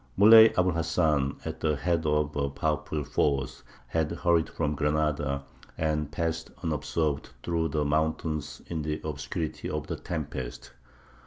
Muley Abu l Hasan, at the head of a powerful force, had hurried from Granada, and passed unobserved through the mountains in the obscurity of the tempest.